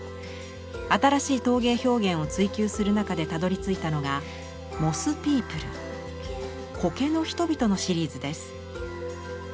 新しい陶芸表現を追求する中でたどりついたのが「モス・ピープル」「苔の人々」のシリーズです。